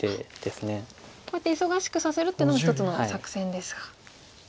こうやって忙しくさせるっていうのも一つの作戦ですか。